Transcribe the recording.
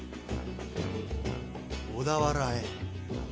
小田原へ。